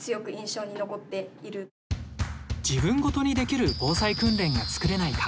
自分ごとにできる防災訓練が作れないか？